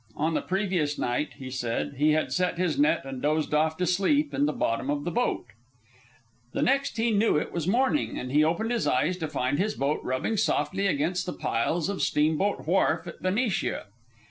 On the previous night, he said, he had set his net and dozed off to sleep in the bottom of the boat. The next he knew it was morning, and he opened his eyes to find his boat rubbing softly against the piles of Steamboat Wharf at Benicia.